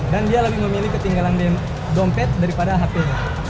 dan dia lebih memilih ketinggalan dompet daripada hp nya